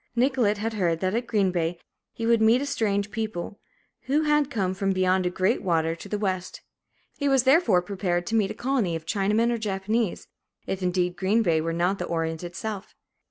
Nicolet had heard that at Green Bay he would meet a strange people, who had come from beyond "a great water" to the west. He was therefore prepared to meet here a colony of Chinamen or Japanese, if indeed Green Bay were not the Orient itself.